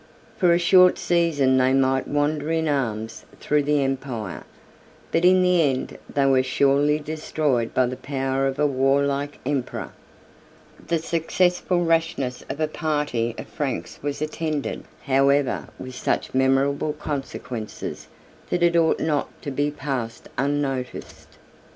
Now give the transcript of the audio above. For a short season they might wander in arms through the empire; but in the end they were surely destroyed by the power of a warlike emperor. The successful rashness of a party of Franks was attended, however, with such memorable consequences, that it ought not to be passed unnoticed.